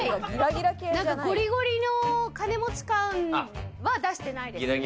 ゴリゴリの金持ち感は出してないです。